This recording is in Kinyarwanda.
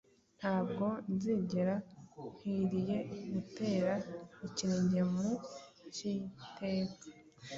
ntabwo nzigera nkwiriye gutera ikirenge mu cy'iteka.